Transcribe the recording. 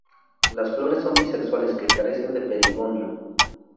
Las flores son bisexuales, que carecen de perigonio.